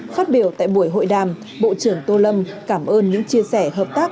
phát biểu tại buổi hội đàm bộ trưởng tô lâm cảm ơn những chia sẻ hợp tác